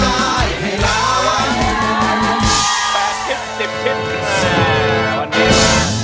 กาวันนี้ค่ะ